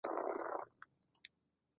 粉叶决明为豆科决明属下的一个种。